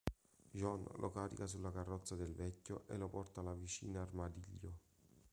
John lo carica sulla carrozza del vecchio e lo porta nella vicina Armadillo.